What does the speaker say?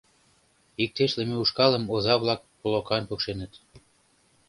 Иктешлыме ушкалым оза-влак плокан пукшеныт.